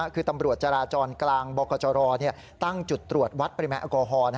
คือตำรวจจราจรกลางบกจรตั้งจุดตรวจวัดปริมาณแอลกอฮอล